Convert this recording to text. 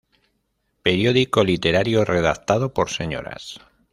Periódico Literario redactado por señoras.